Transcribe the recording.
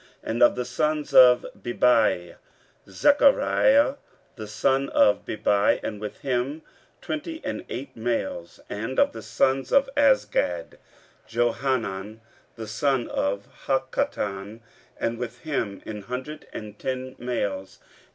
15:008:011 And of the sons of Bebai; Zechariah the son of Bebai, and with him twenty and eight males. 15:008:012 And of the sons of Azgad; Johanan the son of Hakkatan, and with him an hundred and ten males.